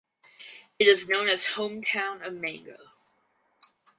It is known as "Hometown of Mango".